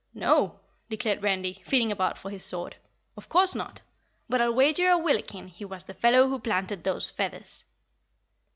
"No!" declared Randy, feeling about for his sword. "Of course not. But I'll wager a Willikin he was the fellow who planted those feathers."